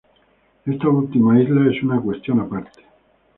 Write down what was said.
Esta última isla es una cuestión aparte.